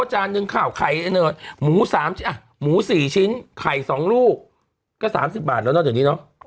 จานนึงข่าวไข่หมู๓ชิ้นหมู๔ชิ้นไข่๒ลูกก็๓๐บาทแล้วนอกจากนี้เนอะ